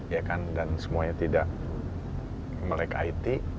ya kan dan semuanya tidak melekatkan